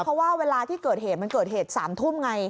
เพราะว่าเวลาที่เกิดเหตุมันเกิดเหตุ๓ทุ่มไง